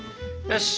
よし！